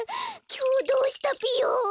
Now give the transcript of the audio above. きょうどうしたぴよ？